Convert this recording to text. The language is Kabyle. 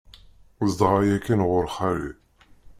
Zedɣeɣ yakan ɣur xali.